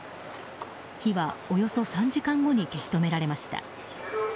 火はおよそ３時間後に消し止められました。